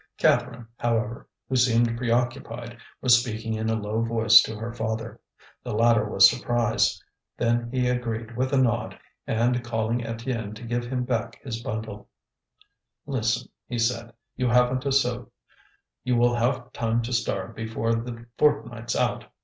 Catherine, however, who seemed preoccupied, was speaking in a low voice to her father. The latter was surprised; then he agreed with a nod; and calling Étienne to give him back his bundle: "Listen," he said: "you haven't a sou; you will have time to starve before the fortnight's out.